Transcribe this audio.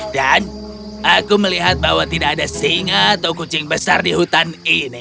dan aku melihat bahwa tidak ada singa atau kucing besar di hutan ini